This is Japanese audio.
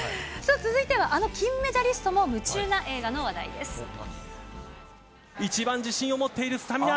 続いてはあの金メダリストも夢中一番自信を持っているスタミナ。